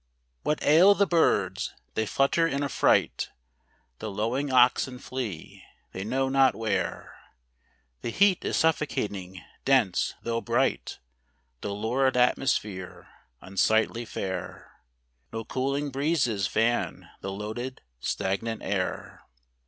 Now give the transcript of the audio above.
What ail the birds ? they flutter in affright; The lowing oxen flee, they know not where; The heat is suffocating; dense, though bright, The lurid atmosphere, unsightly fair: No cooling breezes fan the loaded stagnant air.